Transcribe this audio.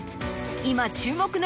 今注目の。